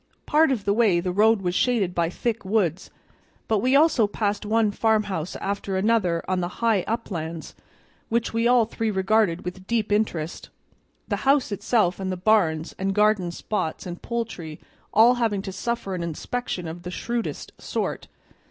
Part of the way the road was shaded by thick woods, but we also passed one farmhouse after another on the high uplands, which we all three regarded with deep interest, the house itself and the barns and garden spots and poultry all having to suffer an inspection of the shrewdest sort.